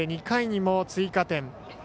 ２回にも追加点。